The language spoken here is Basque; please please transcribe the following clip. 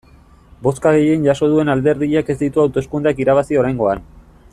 Bozka gehien jaso duen alderdiak ez ditu hauteskundeak irabazi oraingoan.